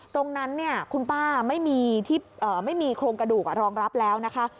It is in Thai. ตรงนั้นคุณป้าไม่มีที่ไม่มีโครงกระดูกรองรับแล้วนะคะ